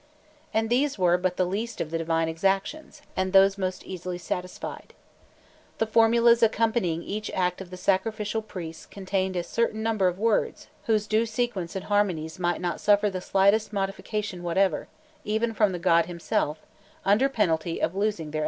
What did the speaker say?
And these were but the least of the divine exactions, and those most easily satisfied. The formulas accompanying each act of the sacrificial priest contained a certain number of words whose due sequence and harmonies might not suffer the slightest modification whatever, even from the god himself, under penalty of losing their efficacy.